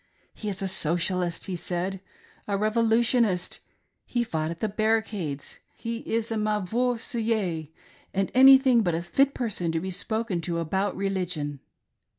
" He is a socialist," he said —" a revolu tionist ; he fought at the barricades ; he is a mauvais sujet, and anything but a fit person to be spoken to about re ligion."